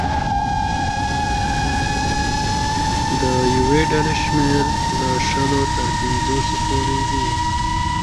د یوې ډلې شمېر له شلو تر پنځوسو پورې وي.